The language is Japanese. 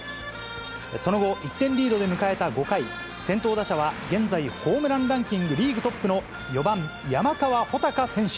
その後、１点リードで迎えた５回、先頭打者は、現在ホームランランキングリーグトップの４番山川穂高選手。